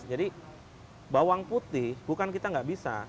jadi bawang putih bukan kita nggak bisa